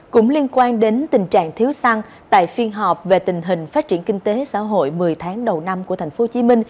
cũng liên quan đến tình trạng thiếu xăng tại phiên họp về tình hình phát triển kinh tế xã hội một mươi tháng đầu năm của tp hcm